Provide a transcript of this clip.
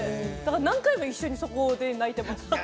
何回も一緒にそこで泣いてます。